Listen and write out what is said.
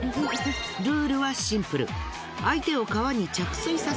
ルールはシンプル。